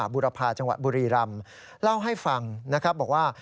บุรพาจังหวัดบุรีรำเล่าให้ฟังนะครับบอกว่า